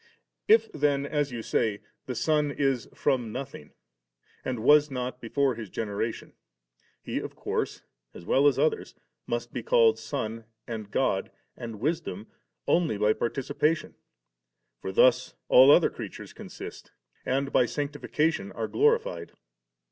If then, as you say, 'the Son is from nothing,' and ' was not before His generation,' He, of course^ as well as others, must be called Son and God and Wi.sdom only by participation; for thus all other creatures consist, and by sanctification are glorified.